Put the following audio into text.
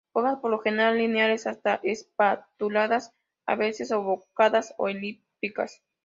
Hojas por lo general lineares hasta espatuladas, a veces obovadas o elípticas.